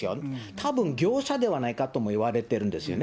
たぶん業者ではないかともいわれているんですよね。